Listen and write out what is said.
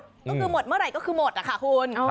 นี่ก็หมดเมื่อไหร่ก็คือหมดอ่ะค่ะคุณ